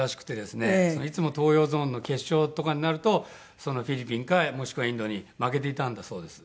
いつも東洋ゾーンの決勝とかになるとフィリピンかもしくはインドに負けていたんだそうです。